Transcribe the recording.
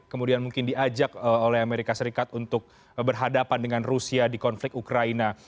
kemudian mungkin diajak oleh amerika serikat untuk berhadapan dengan rusia di konflik ukraina